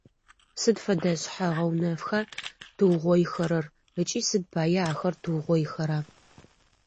Сыд фэдэ шъхьэ-гъэунэфха тыугъоихэрэр ыкӏи сыд пае ахэр тыугъоихэра?